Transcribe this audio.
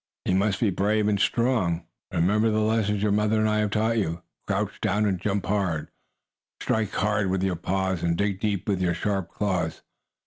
You must be brave and strong. Remember the lessons your mother and I have taught you. Crouch down and jump hard. Strike hard with your paws and dig deep with your sharp claws.